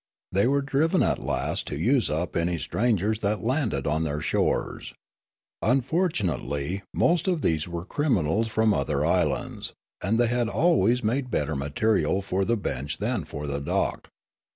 They were driven at last to use up any strangers that landed on their shores. Unfortun ately most of these were criminals from the other isl ands, and they had always made better material for the bench than for the dock.